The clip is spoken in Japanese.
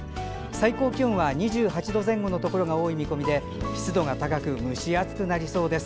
最高気温は２８度前後のところが多い見込みで湿度が高く蒸し暑くなりそうです。